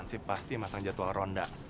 masa nama saya aja yang gak ada di jadwal ronda